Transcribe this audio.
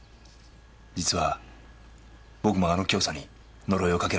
実は僕もあの教祖に呪いをかけられたんです。